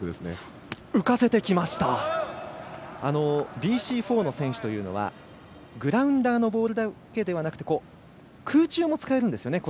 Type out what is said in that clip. ＢＣ４の選手というのはグラウンダーのボールだけでなく空中も使えるんですよね。